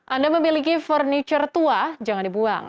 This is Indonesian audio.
anda memiliki furniture tua jangan dibuang